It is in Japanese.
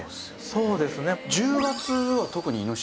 そうですね。